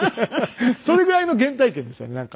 それぐらいの原体験でしたねなんか。